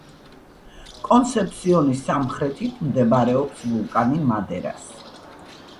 კონსეფსიონის სამხრეთით მდებარეობს ვულკანი მადერასი.